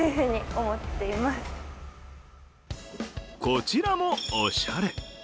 こちらもおしゃれ。